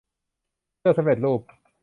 เสื้อสำเร็จรูป